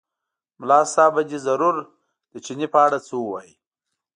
ملا صاحب به دی ضرور له چیني په اړه څه ووایي.